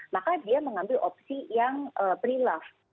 maka dia mengambil opsi yang pre love